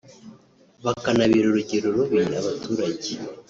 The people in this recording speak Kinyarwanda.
bakanabera urugero rubi abaturage